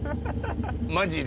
マジで。